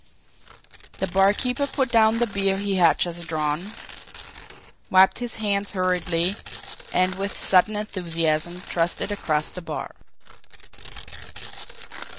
The barkeeper put down the beer he had just drawn, wiped his hand hurriedly, and with sudden enthusiasm thrust it across the bar.